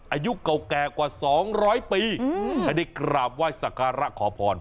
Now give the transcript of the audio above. อายุเก่าแก่กว่าสองร้อยปีอืมให้ได้กราบไหว้ศักรรณะขอพร